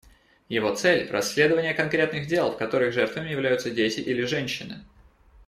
Его цель — расследование конкретных дел, в которых жертвами являются дети или женщины.